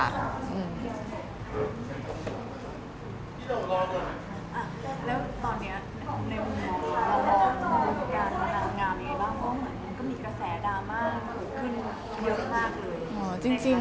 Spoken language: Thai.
แล้วตอนนี้ในมุมความรู้สึกการเป็นนางงามยังไงบ้าง